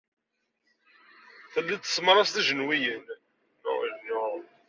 Tellid tessemrased ijenyuṛen.